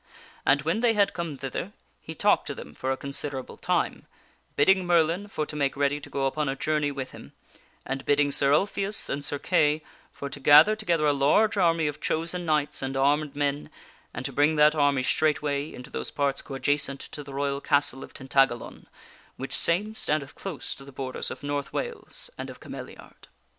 And when they had come thither he talked to them for a considerable time, bidding Merlin for to make ready to go upon a journey with him, and bidding Sir Ulfius and Sir Kay for to gather together a large army of chosen knights and armed men, and to bring that army straightway into those parts coadjacent to the royal castle of Tintagalon, which same standeth close to the borders of North Wales and of Cameliard.